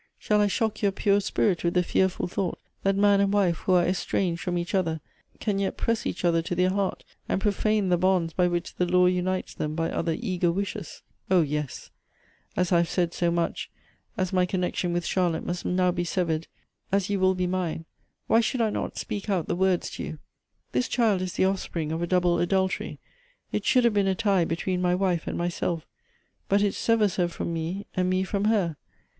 Shall I shock your pure" spirit with the fearful thought, that man and wife who are estranged from each other, can yet press each other to their heart, and profane the bonds by which the law unites them by other eager wishes ? Oh yes ! As I have said so much ; as my connection with Charlotte mtist now be severed ; as you will be mine, why should I not speak out the words to you ? This child is the offspring of a double adultery; it should have been a tie between ray wife and myself; but it severs her from me, and me from her.